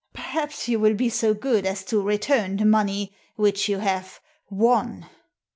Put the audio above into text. Perhaps you will be so good as to return the money which you have won."